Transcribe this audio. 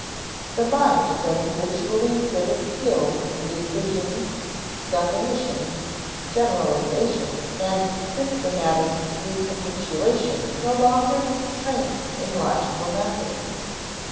The mind that habitually exhibits skill in divisions, definitions, generalizations, and systematic recapitulations no longer needs training in logical methods.